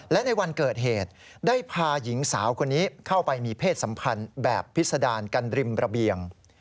และในวันเกิดเหตุได้พาหญิงสาวคนนี้เข้าไปมีเพศสัมพันธ์แบบพิษดารกันริมระเบียง